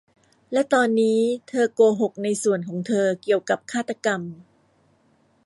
และตอนนี้เธอโกหกในส่วนของเธอเกี่ยวกับฆาตกรรม